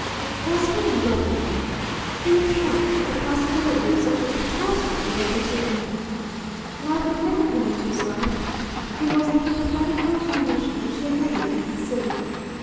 Was he in love with her? He was shocked at the possibility of such a catastrophe overtaking him. Love had never come into his life. It was a hypothetical condition which he had never even considered.